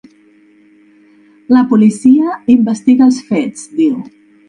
La policia investiga els fets, diu.